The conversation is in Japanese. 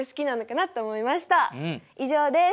以上です。